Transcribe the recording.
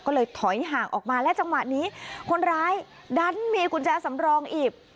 ก็เลยถอยห่างออกมาและจังหวะนี้คนร้ายดันมีกุญแจสำรองอีก